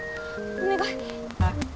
お願い。